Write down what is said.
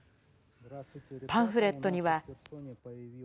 パンフレットには。